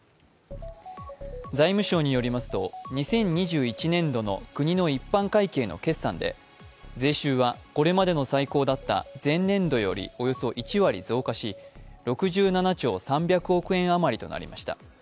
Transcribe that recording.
財務省によりますと２０２１年の国の一般会計の決算で税収はこれまでの最高だった前年度よりおよそ１割増加し６７兆３００億円あまりとなりました。